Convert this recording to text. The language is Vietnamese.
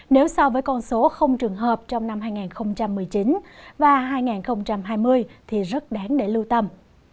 nếu so với con số không trường hợp trong năm hai nghìn một mươi chín và hai nghìn hai mươi thì rất đáng để lưu tâm